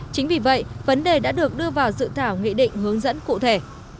chính vì vậy vấn đề đã được đưa vào dự thảo nghị định hướng dẫn cụ thể